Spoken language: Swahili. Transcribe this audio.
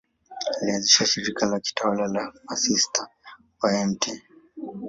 Alianzisha shirika la kitawa la Masista wa Mt.